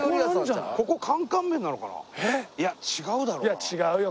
いや違うよ。